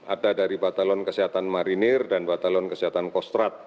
ada dari batalon kesehatan marinir dan batalon kesehatan kostrat